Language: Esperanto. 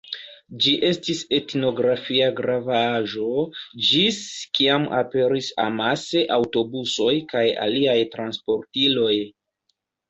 Ĝi estis etnografia grava aĵo, ĝis kiam aperis amase aŭtobusoj kaj aliaj transportiloj.